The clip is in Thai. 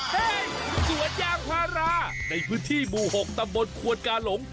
สวนยางพาราในพื้นที่หมู่๖ตำบลควนกาหลง